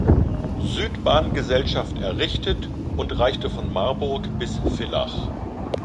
Südbahngesellschaft errichtet und reichte von Marburg bis Villach.